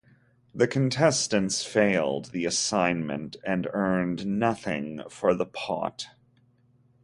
The contestants failed the assignment and earned nothing for the pot.